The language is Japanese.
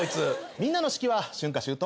みんなの四季は春夏秋冬？